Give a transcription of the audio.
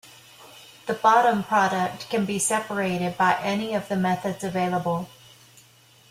The bottom product can be separated by any of the methods available.